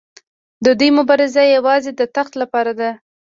د دوی مبارزه یوازې د تخت لپاره ده.